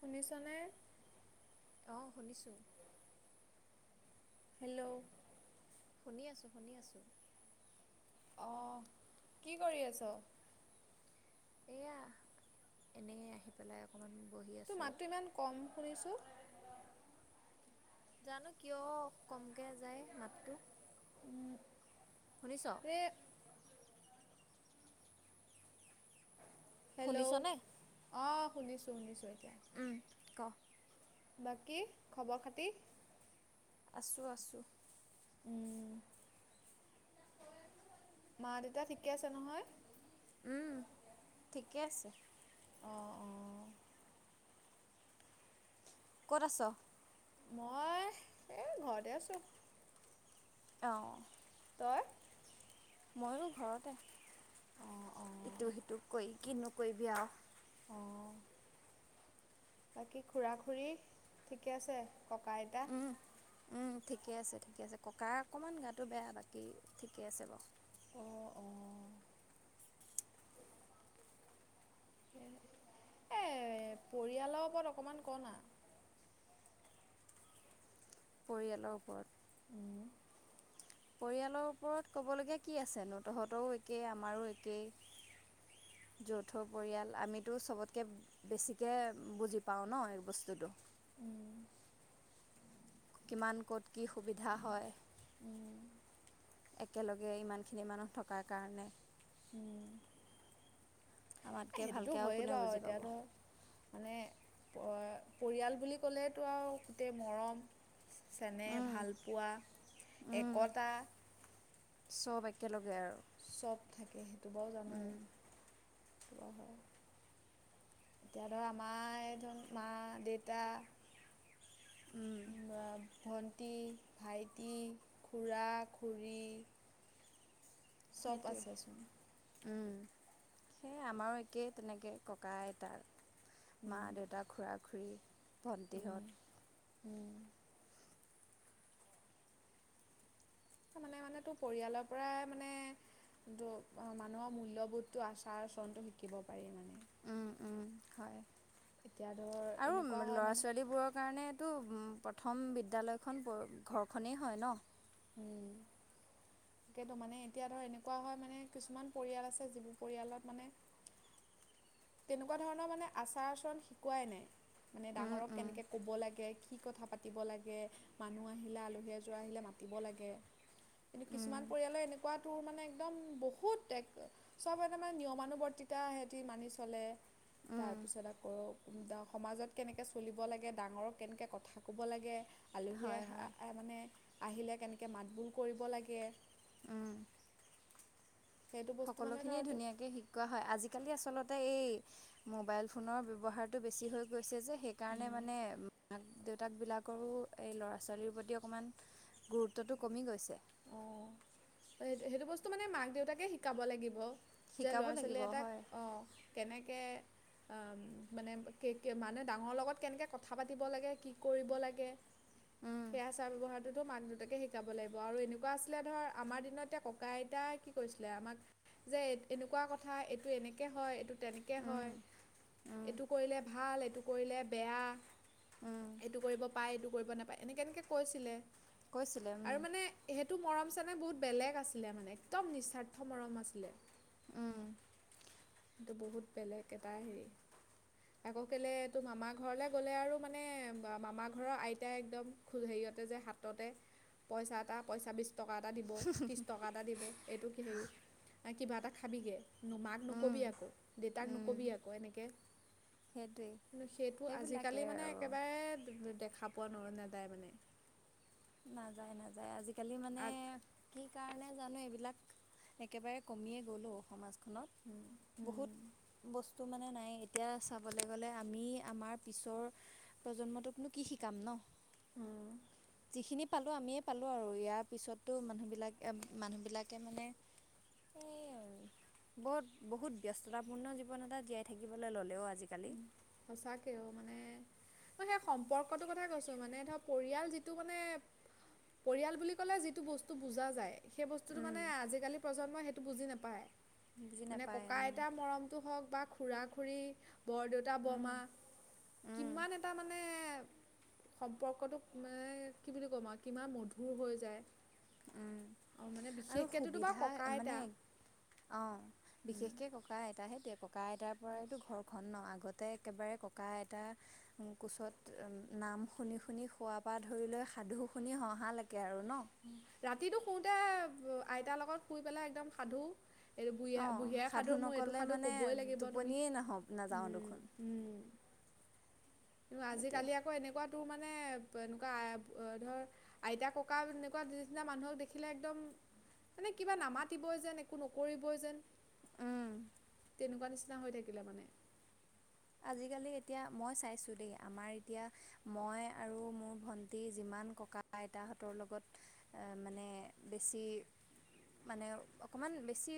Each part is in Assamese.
শুনিছ নে? অহ শুনিছো। হেল্ল'। শুনি আছো শুনি আছো। অহ, কি কৰি আছ। এইয়া এনেই আহি পেলাই অকণমান বহি তোৰ আছোঁ। মাতটো ইমান কম শুনিছোঁ। জানো কিয়? কমকে যায় মাতটো। শুনিছ। তে। হেল্ল', শুনিছনে? অ, শুনিছো, শুনিছো উম ক। বাকী খবৰ খাতি। আছোঁ, আছোঁ। উম, মা -দেউতা ঠিকে আছে নহয়। উম ঠিকে আছে। অ, অ। ক'ত আছ। মই এ ঘৰতে আছো। অহ। তই। মইয়ো ঘৰতে, অঁ অঁ ইটো- সিটো কৰি কিনো কৰিবি আৰু। অহ। বাকী খুৰা -খুৰী ঠিকে আছে ককা -আইতা। উম, উম ঠিকে আছে, ঠিকে আছে, ককাৰ অকণমান গাটো বেয়া বাকী ঠিকে আছে বাৰু। অ, অ এ পৰিয়ালৰ ওপৰত অকমান ক না। পৰিয়ালৰ ওপৰত। উম। পৰিয়ালৰ ওপৰত ক'বলগীয়া কি আছেনো, তহঁতৰও একেই আমাৰো একেই। যৌথ পৰিয়াল আমিতো চবতকৈ বে বেছিকে বুজি পাওঁ ন এই বস্তুটো। উম। কিমান ক'ত কি সুবিধা হয়। উম। একেলগে ইমানখিনি মানুহ থকাৰ কাৰণে। উম। আমাতকৈ সেইটোতো ভালকৈ আৰু হয়য়ে কোনে বাৰু বুজি এতিয়া পাব ধৰ। মানে পৰিয়াল বুলি ক'লেতো আৰু গোটেই মৰম। চেনেহ, উম, ভালপোৱা, উম, একতা। চব একেলগে আৰু। চব থাকে, সেইটো বাও জানো, উম, সেইটো হয়। এতিয়া ধৰ আমায় ধৰ মা -দেউতা। উম। ভণ্টি, ভাইটি, খুৰা, খুৰী। চব সেইটোৱেই। আছেচোন উম, সেয় আমাৰো একেই তেনেকে ককা আইতাৰ। মা, উম, দেউতা, খুৰা-খুৰী উম, ভণ্টিহঁত। উম। মানে মানে তোৰ পৰিয়ালৰ পৰাই মানে কিন্তু অ', মানুহৰ মূল্য়বোধটো আচাৰ আচৰণটো শিকিব পাৰি মানে। উম, উম, হয়, এতিয়া ধৰ আৰু এনেকুৱা হয় মানে ল'ৰা-ছোৱালীবোৰৰ কাৰণে তো প্ৰথম বিদ্যালয়খন ঘৰখনেই হয় ন'? উম। তাকেইতো মানে এতিয়া ধৰ এনেকুৱা হয়, মানে কিছুমান পৰিয়াল আছে যিবোৰ পৰিয়ালত মানে তেনেকুৱা ধৰণৰ মানে আচাৰ-আচৰণ শিকোৱাই নাই, মানে উম, ডাঙৰক উম। কেনেকৈ ক'ব লাগে কি কথা পাতি ব লাগে মানুহ আহিলে আলহী এযোৰ আহিলে মাতিব লাগে। এনে কিছুমান উম, পৰিয়ালে এনেকুৱা তোৰ মানে একদম বহুত এক চব মানে নিয়মানুৱৰ্তীতা হেৰী মানি চলে। উম, তাৰপিছত আকৌ সমাজত কেনেকৈ চলিব লাগে, ডাঙৰক কেনেকৈ কথা ক'ব লাগে। হয় হয় আলহীয়ে মানে আহিলে কেনেকৈ মাতবোল কৰিব লাগে। উম। সেইটো বস্তু মানে সকলোখিনিয় ধৰতো ধুনীয়াকে শিক কোৱা হয়, আজিকালি আচলতে এই মোবাইল ফোনৰ ব্যৱহাৰটো বেছি হৈ গৈছে যে। সেইকাৰণে মানে মাক দেউতা তাক বিলাকৰো এই ল'ৰা-ছোৱালীৰ প্ৰতি অকণমান গুৰুত্বটো কমি গৈছে। অ', সেই-সেইটো বস্তু মানে মাক দেউতাকে শিকাব লাগিব। যে শিকাব লাগিব ল'ৰা-ছোৱালী এটাক হয় অ', কেনেকে অ', মানে কে মানে ডাঙৰৰ লগত কেনেকৈ কথা পাতিব লাগে কি কৰিব লাগে। উম, সেই আচাৰ-ব্যৱহাৰটোতো মাক দেউতাকে শিকাব লাগিব আৰু এনেকুৱা এনেকুৱা আছিলে ধৰ আমাৰ দিনততে ককা আইতাই কি কৰিছিলে, আমাক যে এনেকুৱা কথা এইটো এনেকে হয়, এইটো তেনেকে উম, হয়। উম, এইটো কৰিলে ভাল, এইটো কৰিলে বেয়া। উম, এইটো কৰিব পাই এইটো কৰিব নাপায়, এনেকে এনেকে কৈছিলে কৈছিলে উম, আৰু মানে সেইটো মৰম চেনেহ বহুত বেলেগ আছিলে মানে একদম নিস্বাৰ্থ মৰম আছিলে। উম। সেইটো বহুত বেলেগ এটা হেৰি। আকৌ কেলে তোৰ মামা ঘৰলৈ গ'লে আৰু মানে মামা ঘৰৰ আইতাই একদম খ হেৰিয়তে যে হাততে পইচা এটা পইচা বিছ টকা এটা দিব, ত্ৰিছ টকা এটা দিব, এইটো কি হেৰি কিবা এটা খাবিগৈ। মাক উম, নকবি আকৌ, দেউতাক উম, নকবি আকৌ এনেকে। সেইটোৱেই কিন্ত সেইটো সেইবিলাকে আজিকালি মানে আৰু একেবাৰে দেখা পোৱা ন-নাযায় মানে নাযায় নাযায় আজিকালি মানে, কি কাৰণে জানো এইবিলাক, একেবাৰে কমিয়ে গ'ল অ', সমাজ খনত বহুত বস্ত টো মানে নাই এনেকা চাবলৈ গ'লে আমি আমাৰ পিছৰ প্ৰজন্মটোকনো কি শিকাম ন'? উম। যিখিনি পালো আমিয়ে পালো আৰু ইয়াৰ পিছতো মানুহ বিলাক মানুহ বিলাকে মানে [inaudible] বত বহুত ব্যস্ততাপূৰ্ণ জীৱন এটা জীয়াই থাকিবলৈ ল'লেও আজিকালি। সঁচাকেও মানে মানে সম্পৰ্কটোৰ কথাই কৈছো মানে ধৰ, পৰিয়াল যিটো মানে পৰিয়াল বুলি ক'লে, যিটো বস্তু বুজা যায়। সেই বস্তুটো উম, মানে আজিকালি প্ৰজন্মই, সেইটো বুজি নাপায়। বুজি মানে নাপায় উম, ককা-আইতাৰ মৰমটো হওক বা খুৰা-খুৰী বৰদেউতা-বৰ্মা, উম, উম, কিমান এটা মানে সম্পৰ্কটোক মানে, কি বুলি ক'ম আৰু কিমান মধুৰ হৈ যায়। উম। আৰু মানে আৰু বিশেষকৈতো বাৰু সুবিধা ককা মানে আইতা অ' বিশেষকৈ ক'বলৈ ককা-আইতাহে সেইটোৱে, ককা-আইতাৰ পৰাইতো ঘৰখন ন', আগতে একেবাৰে ককা-আইতা কোচত এ নাম শুনি শুনি শুৱা পৰা ধৰি লৈ, সাধু শুনি হঁহালৈকে আৰু ন'? ৰাতিটো শুতে, আইতাৰ লগত শুই পেলাই একদম সাধু এইটো বুঢ়িয়া, অঁ বুঢ়িয়াৰ সাধু মোৰ এইটো নক'লে সাধু মানে ক'বই লাগিব তুমি, টোপনিয়েই নাহ নাযাওঁ উম, দেখোন উম। কিন্তু সেইটোৱে আজিকালি আকৌ এনেকুৱা তোৰ মানে, এনেকুৱা আ ধৰ আইতা-ককা এনেকুৱা নিচিনা মানুহক দেখিলে একদম মানে কিবা নামাতিবই যেন, একো নকৰিবই যেন। উম। তেনেকুৱা নিচিনা হৈ থাকিলে মানে। আজিকালি এতিয়া মই চাইছোঁ দেই, আমাৰ এতিয়া মই আৰু মোৰ ভণ্টি যিমান ককাআইতাহঁতৰ লগত এ মানে বেছি মানে অকণমান বেছি,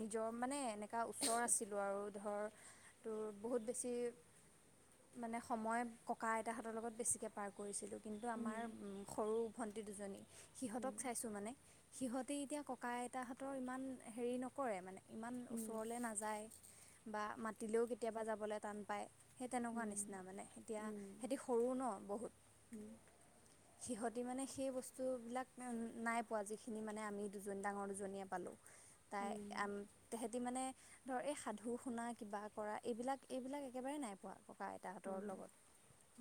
নিজৰ মানে এনেকুৱা ওচৰ আছিলোঁ আৰু ধৰ। তোৰ [unintelligible] বহুত বেছি মানে সময় ককা আইতাহঁতৰ লগত বেছিকৈ পাৰ কৰিছিলোঁ। কিন্তু আমাৰ উম সৰু ভণ্টি দুজনী, সিহঁতক উম চাইছোঁ মানে। সিহঁতে এতিয়া ককা-আইতাহঁতৰ ইমান হেৰি নকৰে মানে, ইমান উম ওচৰলে নাযা যায় বা মাতিলেও কেতিয়াবা যাবলৈ টান পায়। সেই তেনেকুৱা উম নিচিনা মানে, এতিয়া উম সিহঁতি সৰু ন' বহুত। উম সিহঁতি মানে সেই বস্তুবিলাক মানে নাই পোৱা। যিখিনি মানে আমি দুজনী, ডাঙৰ দুজনীয়ে পালোঁ। তাই উম আম, তেহেঁতি মানে ধৰ এই সাধু শুনা কিবা কৰা এইবিলাক, এইবিলাক একেবাৰে নাই পোৱা, ককা-আই উম,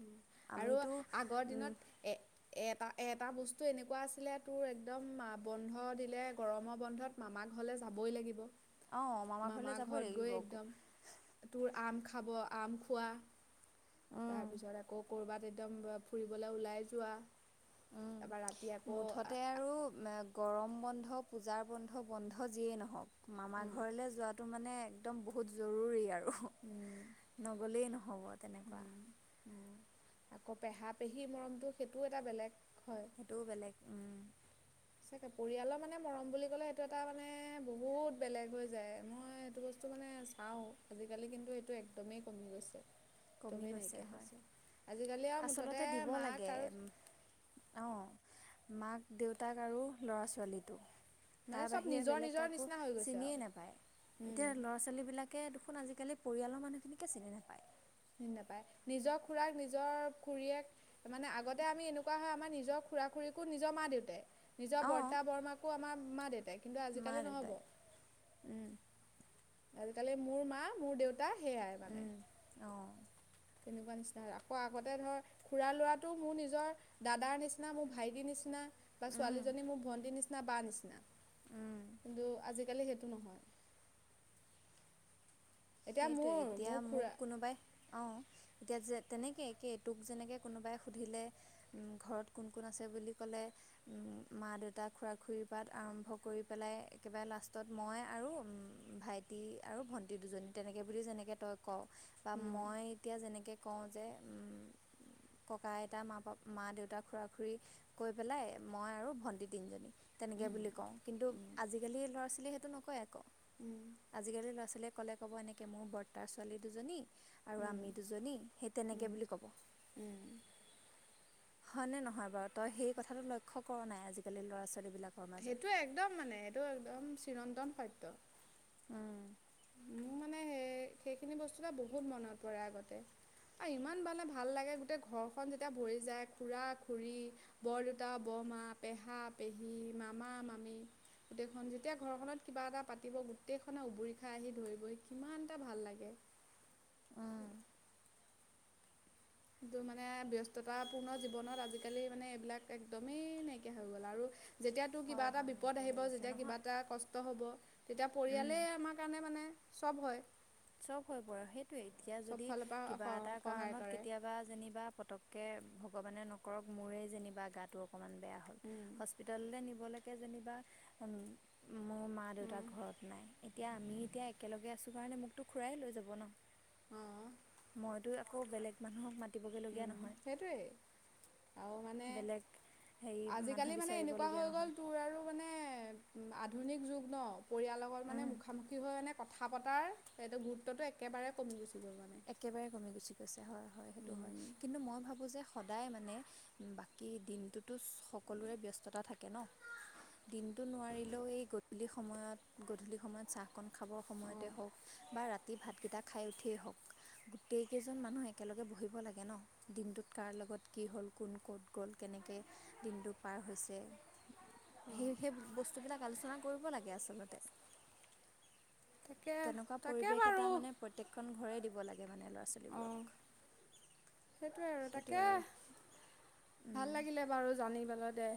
উম আৰু আমিতো আগৰ দিনত এ এটা, এটা বস্তু এনেকুৱা আছিলে তোৰ একদম, বন্ধ দিলে গৰমৰ বন্ধত মামা ঘৰলৈ যাবৈ লাগিব। অঁ ঘৰলৈ মামা যাবই ঘৰত গৈ লাগিব একদম তোৰ আম খাব, আম খোৱা। তাৰ উম পিছত আকৌ ক'ৰবাত একদম ফুৰিবলৈ ওলাই যোৱা। উম, তাৰপৰা ৰাতি আকৌ মুঠতে আৰু এ গৰম বন্ধ, পূজাৰ বন্ধ, বন্ধ যিয়েই নহওঁক, মামা ঘৰলৈ যোৱাত টো মানে একদম বহুত জৰুৰী আৰু উম নগ'লেই নহ'ব তেনেকুৱা। উম, আকৌ পেহা-পেহী মৰমতটো, সেইটোও এটা বেলেগ হয়। সেইটোৱো বেলেগ, উম। চাগে, পৰিয়ালৰ মানে মৰম বুলি ক'লে সেইটো এটা মানে বহুত বেলেগ হৈ যায়, মই এইেটো বস্তু মানে পাওঁ, আজিকালি কিন্তু এইটো একদমেই কমি গৈছে। কমি দমেই গৈছে নাইকিয়া হয় হৈছে। আজিকালি আৰু মুঠতে মাক আৰু অ' মাক-দেউতাক আৰু ল'ৰা-ছোৱালীটো। মানে তাৰ চব বাহিৰে নিজৰ বেলেগ নিজৰ কাকো নিচিনা হৈ গৈছে আৰু চিনিয়েই নাপায়। উম এতিয়া ল'ৰা-ছোৱালীবিলাক তাক দেখোন আজি-কালি পৰিয়ালৰ মানুহ খিনিকে চিনি নাপায়? নাপায়। নিজৰ খুৰাক, নিজৰ খুৰীয়েক তাৰ মানে আগতে আমি এনেকুৱা হয় আমাৰ নিজৰ খুৰা, খুৰীকো, নিজৰ মা -দেউতাই। নিজৰ অঁ বৰ্তা, -বৰমাকো, আমাৰ মা -দেউতাই, কিন্তু আজি মা কালি দেউতাই নহ'ব। উম, আজি কালি মোৰ মা, মোৰ দেউতা, সেয়াই মানে। উম, অঁ তেনেকুৱা নিচিনা হয়। আকৌ আগতে ধৰ খুৰাৰ, ল'ৰাটো মোৰ নিজৰ দাদাৰ, নিচিনা মোৰ ভাইটিৰ, নিচিনা। বা উম, ছোৱালীজনী মোৰ ভণ্টিৰ, নিচিনা বা, নিচিনা উম। কিন্তু আজি কালি সেইটো নহয়। এতিয়া সেইটোৱে মোৰ মোৰ এতিয়া মোক খুৰা কোনোবাই অঁ এতিয়া যে তেনেকৈ এক এইটোক যেনেকৈ কোনোবাই সুধিলে ঘৰত কোন কোন আছে বুলি ক'লে? মা- দেউতাক, খুৰা -খুৰীৰ, পৰা আৰম্ভ কৰি পেলাই একেবাৰে লাষ্টত মই আৰু ভাইটি, আৰু ভণ্টি, দুজনী তেনেকৈ বুলি যেনেকৈ তই কওঁ। বা উম মই এতিয়া যেনেকৈ কওঁ যে ককা, -আইতা, মা -বাপ, মা- দেউতাক, খুৰা-খুৰী, কৈ পেলাই মই আৰু ভন্টি, তিনিজনী তেনেকৈ উম বুলি কওঁ কিন্তু উম আজি কালি ল'ৰা ছোৱালীয়ে সেইটো নকয় আকৌ উম আজি কালি ল'ৰা- ছোৱালীয়ে ক'লে ক'ব এনেকৈ মোৰ বৰদা, ছোৱালী দুজনী আৰু উম আমি দুজনী সেই উম তেনেকৈ বুলি ক'ব। উম' হয়নে নহয়। বাৰু তই সেই কথাটো লক্ষ্য কৰা নাই আজিকালি ল'ৰা- ছোৱালীবিলাক সেইটো একদম মানে সেইটো একদম চিৰন্তনৰ সত্য। উম' মোৰ মানে সে সেইখিনি বস্তু এটা বহুত মনত পৰে আগতে আৰু ইমান মানে ভাল লাগে। গোটেই ঘৰখন যেতিয়া ভৰি যায়। খুৰা -খুৰী, বৰদেউতা, বৰমা, পেহা -পেহী, মামা- মামী গোটেইখন যেতিয়া ঘৰখনত, কিবা এটা পাতিব গোটেইখনে উবৰি খাই আহি ধৰিবই কিমান ভাল লাগে। উম কিন্তু মানে ব্যস্ততাপূৰ্ণ জীৱনত আজিকালি মানে এইবিলাক একদমেই নাইকিয়া হৈ গ'ল। আৰু যেতিয়া তোৰ কিবা হয় এটা হয় বিপদ নাইকিয়া হৈ আহিব গৈছে যেতিয়া কিবা নহয় এটা কষ্ট হ'ব। তেতিয়া উম পৰিয়ালেই আমাৰ কাৰণে মানে সব হয়। সব হৈ পৰে সেইটোৱে এতিয়া চব যদি ফালৰ কিবা পৰা এটা সহায় কাৰণত কৰে কেতিয়াবা যেনিবা পতক তাকে ভগৱানে, নকৰক মোৰেই যেনিবা গাটো অকণমান বেয়া হ'ল। উম' হস্পিতাললৈ, নিবলৈকে যেনিবা মোৰ মা- দেউতাক, উম, ঘৰত নাই এতিয়া আমি এতিয়া একেলগে আছোঁ কাৰণে মোকতো খূৰাই, লৈ যাব ন। অঁ মইতো আকৌ বেলেগ মানুহক মাতিবগৈলগীয়া নহয় সেইটোৱেই আৰু মানে বেলেগ হেৰি মানুহ আজিকালি মানে এনেকুৱা বিচাৰিবলগীয়া হৈ নহয় গ'ল তোৰ আৰু মানে। আধুনিক যুগ ন পৰিয়ালৰ লগত মানে উম, মুখামুখি হৈ মানে কথা পতাৰ সেইটো গুৰুত্বটো একেবাৰে কমি গুচি গ'ল মানে। একেবাৰে কমি গুচি গৈছে হয় হয়। সেইটো হয় উম, কিন্তু মই ভাবো যে সদায় মানে বাকী দিনটোতো সকলোৰে ব্যস্ততা থাকে ন। দিনটো নোৱাৰিলেও এই গধূলি সময়ত গধূলি সময়ত চাহ, অকন খাবৰ অঁ সময়তে হওক বা ৰাতি ভাতকেইটা খাই উঠিয়েই হওক গোটেইকেইজন মানুহ একেলগে বহিব লাগে ন। দিনটোত কাৰ লগত কি হ'ল, কোন কোন ক'ত গ'ল, কেনেকে দিনটো পাৰ হৈছে সেই সেই বস্তুবিলাক আলোচনা কৰিব লাগে আচলতে। তাকে তেনেকুৱা তাকে পৰিৱেশ বাৰু এটা মানে প্ৰত্যেকখন ঘৰেই দিব লাগে মানে ল'ৰা অঁ ছোৱালীবোৰক। সেইটোৱে আৰু সেইটোৱে তাকে, আৰু উম, ভাল লাগিলে বাৰু জানি পেলাই দে।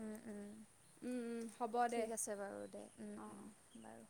উম, উম, হ'ব দে ঠিক আছে বাৰু দে, উম, অঁ উম, বাৰু।